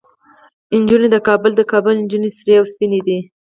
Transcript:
نجونه د کابل، د کابل نجونه سرې او سپينې دي